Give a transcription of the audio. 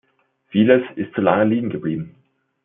Vieles ist zu lange liegengeblieben.